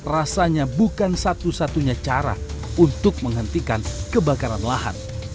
rasanya bukan satu satunya cara untuk menghentikan kebakaran lahan